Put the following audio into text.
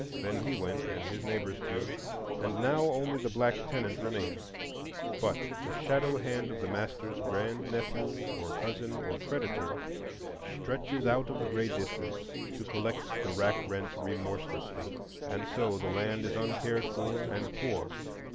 Then he went, and his neighbors too, and now only the black tenant remains; but the shadow hand of the master's grand nephew or cousin or creditor stretches out of the gray distance to collect the rack rent remorselessly, and so the land is uncared for and poor.